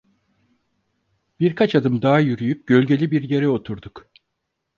Birkaç adım daha yürüyüp gölgeli bir yere oturduk.